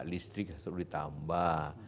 listrik harus ditambah